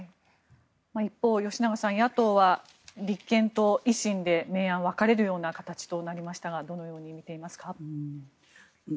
一方、吉永さん野党は立憲と維新で明暗が分かれる形になりましたがどのように見ていますか？